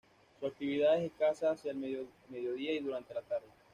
Su actividad es escasa hacia el mediodía y durante la tarde.